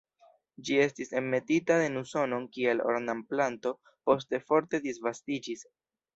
Ĝi estis enmetita en Usonon kiel ornamplanto, poste forte disvastiĝis.